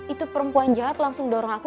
itu perempuan jahat langsung dorong aku